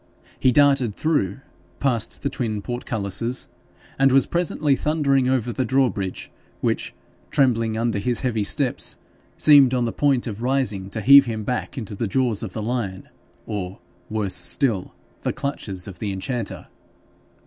He darted through, passed the twin portcullises, and was presently thundering over the draw bridge, which, trembling under his heavy steps, seemed on the point of rising to heave him back into the jaws of the lion, or, worse still, the clutches of the enchanter.